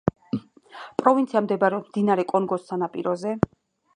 პროვინცია მდებარეობს მდინარე კონგოს სანაპიროზე.